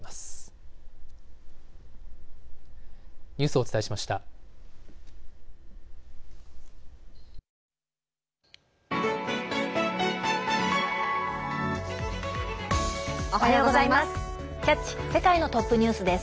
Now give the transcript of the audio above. おはようございます。